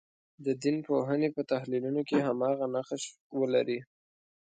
د دین پوهنې په تحلیلونو کې هماغه نقش ولري.